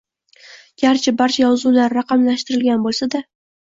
garchi barcha yozuvlar raqamlashtirilgan bo‘lsa-da